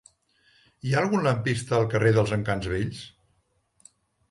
Hi ha algun lampista al carrer dels Encants Vells?